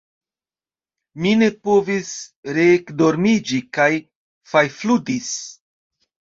Mi ne povis reekdormiĝi kaj fajfludis.